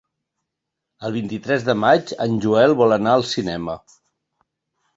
El vint-i-tres de maig en Joel vol anar al cinema.